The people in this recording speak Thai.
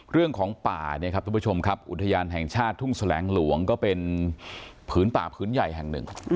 เรื่องของป่าเนี่ยครับทุกผู้ชมครับอุทยานแห่งชาติทุ่งแสลงหลวงก็เป็นผืนป่าผืนใหญ่แห่งหนึ่ง